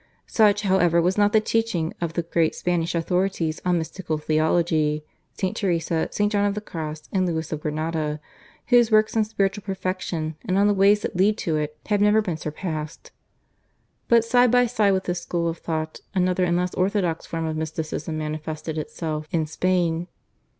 Such, however, was not the teaching of the great Spanish authorities on mystical theology, Saint Teresa, Saint John of the Cross, and Louis of Granada, whose works on spiritual perfection and on the ways that lead to it have never been surpassed. But side by side with this school of thought, another and less orthodox form of mysticism manifested itself in Spain.